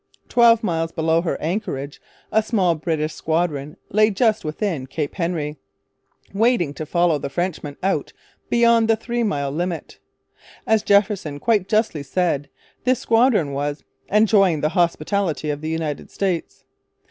Twelve miles below her anchorage a small British squadron lay just within Cape Henry, waiting to follow the Frenchmen out beyond the three mile limit. As Jefferson quite justly said, this squadron was 'enjoying the hospitality of the United States.'